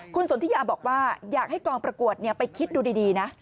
คุณสนทิยาบอกว่าอยากให้กองประกวดไปคิดดูดีนะ